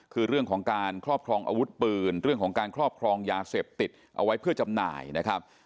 คือเรื่องของการครอบครองอาวุธปืนเรื่องของการครอบครองยาเสพติดเอาไว้เพื่อจำหน่ายนะครับ